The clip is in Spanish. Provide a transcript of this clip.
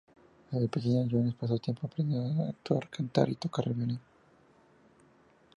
Desde pequeña, Jones pasó tiempo aprendiendo a actuar, cantar y tocar el violín.